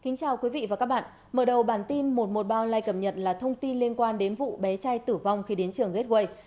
hãy đăng ký kênh để ủng hộ kênh của chúng mình nhé